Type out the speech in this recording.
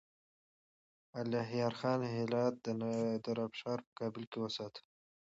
الهيار خان هرات د نادرافشار په مقابل کې وساته.